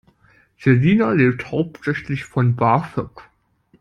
Selina lebt hauptsächlich von BAföG.